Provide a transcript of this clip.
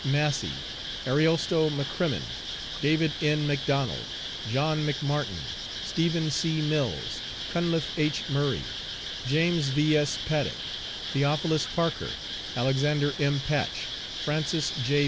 Massey, Ariosto McCrimmon, David N. McDonald, John McMartin, Stephen C. Mills, Cunliffe H. Murray, James V. S. Paddock, Theophilus Parker, Alexander M. Patch, Francis J.